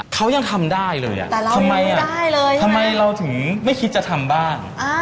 เขายังทำได้เลยทำไมเราถึงไม่คิดจะทำบ้าง